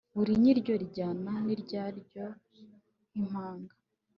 buri ryinyo rijyana n'iryaryo nk'impanga